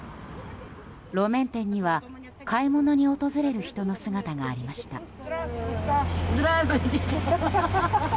路面店には買い物に訪れる人の姿がありました。